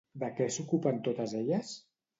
De què s'ocupen totes elles?